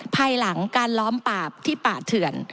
ภายหลังการล้อมปาบที่ป่าเถื่อน